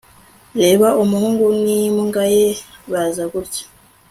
Reba umuhungu nimbwa ye baza gutya